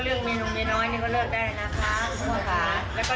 แล้วก็เรื่องมีนุ่มมีน้อยนี่ก็เลิกได้นะคะครับครับ